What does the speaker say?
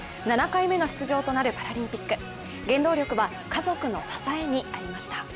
７回目の出場となるパラリンピック原動力は家族の支えにありました。